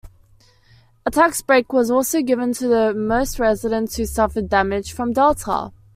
A tax break was also given to most residents who suffered damage from Delta.